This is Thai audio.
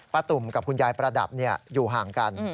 ตุ่มกับคุณยายประดับอยู่ห่างกัน